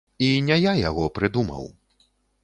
І не я яго прыдумаў.